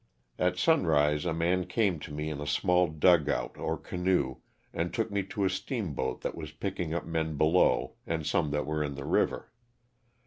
At sunrise a man came to me in a small dugout or canoe and took me to a steamboat that was picking up men below and some that were in the river.